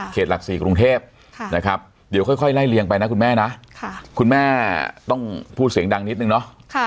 หลัก๔กรุงเทพนะครับเดี๋ยวค่อยไล่เลียงไปนะคุณแม่นะคุณแม่ต้องพูดเสียงดังนิดนึงเนาะ